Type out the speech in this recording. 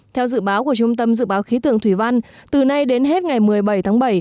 theo dự báo của trung tâm dự báo khí tượng thủy văn từ nay đến hết ngày một mươi bảy tháng bảy